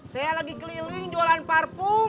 saya lagi keliling jualan parpu